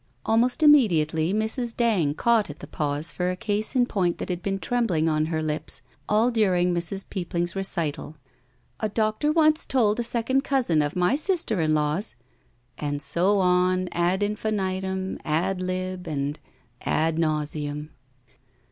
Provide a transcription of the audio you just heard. Almost inmiediately Mrs. Dang caught at the pause for a case in point that had been trembling on her lips all during Mrs. Peopping's recital. A doctor once told a second cousin of my sister in law's —" and so on od infinitum, ad lib., and ad nauseaum.